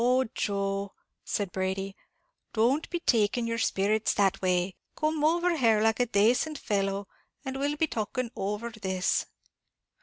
"Oh, Joe," said Brady, "don't be taking your sperrits that way; come over here, like a dacent fellow, and we'll be talking over this."